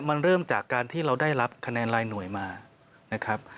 มันเริ่มจากการที่เราได้รับคะแนนรายหน่วยมานะครับ